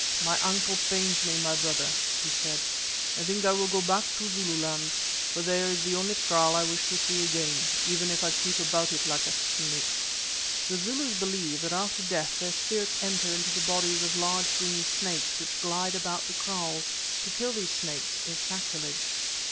"My ankle pains me, my brother," he said; "I think I will go back to Zululand, for there is the only kraal I wish to see again, even if I creep about it like a snake."[*] [*] The Zulus believe that after death their spirits enter into the bodies of large green snakes, which glide about the kraals. To kill these snakes is sacrilege.